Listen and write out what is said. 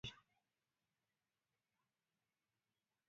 Kikubun komasata ake keree tuka che chang aki momi chi neripei